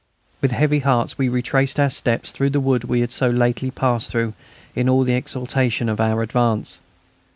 With heavy hearts we retraced our steps through the wood we had so lately passed through in all the exaltation of our advance.